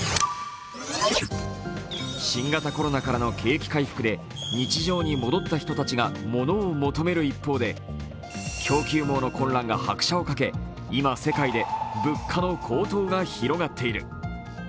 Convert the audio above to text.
新型コロナからの景気回復で日常に戻った人たちがモノを求める一方で、供給網の混乱が拍車をかけ、今、世界で物価の高騰が広がっている。